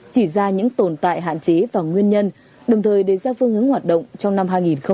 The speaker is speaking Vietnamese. chỉ ra những tồn tại hạn chế và nguyên nhân đồng thời đề ra phương hướng hoạt động trong năm hai nghìn hai mươi